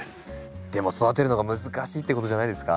でも育てるのが難しいってことじゃないですか？